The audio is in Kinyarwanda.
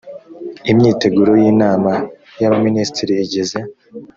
imyiteguro y inama y abaminisitiri igeze